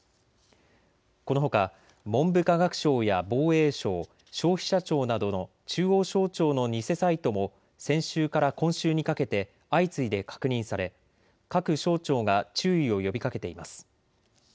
このほか文部科学省や防衛省、消費者庁などの中央省庁の偽サイトも先週から今週にかけて相次いで確認され、各省庁が注意を呼びかけています。